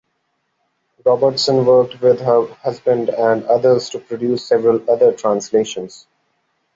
Robertson worked with her husband and others to produce several other translations.